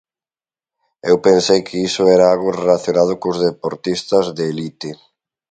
Eu pensei que iso era algo relacionado cos deportistas de elite.